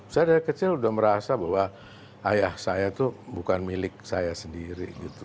saya dari kecil sudah merasa bahwa ayah saya itu bukan milik saya sendiri gitu